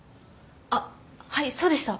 あっはいそうでした。